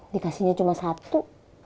dikasihnya cuma satu